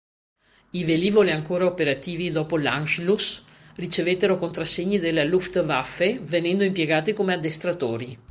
I velivoli ancora operativi dopo l'Anschluss ricevettero contrassegni della Luftwaffe venendo impiegati come addestratori.